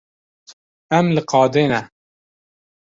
Em li qadê ne.